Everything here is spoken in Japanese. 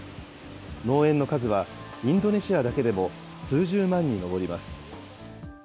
農園の数は、インドネシアだけでも数十万に上ります。